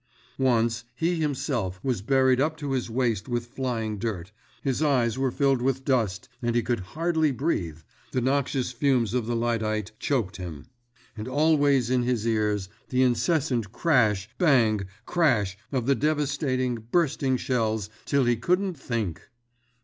Once he himself was buried up to his waist with flying dirt, his eyes were filled with dust and he could hardly breathe—the noxious fumes of the lyddite choked him. And always in his ears the incessant crash, bang, crash of the devastating, bursting shells till he couldn't think.